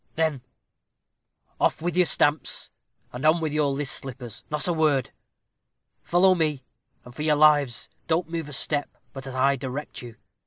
"Then off with your stamps, and on with your list slippers; not a word. Follow me, and, for your lives, don't move a step but as I direct you.